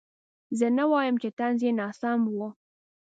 زه نه وایم چې طنز یې ناسم و.